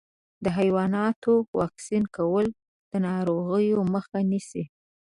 د حیواناتو واکسین کول د ناروغیو مخه نیسي.